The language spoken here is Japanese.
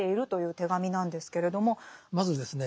まずですね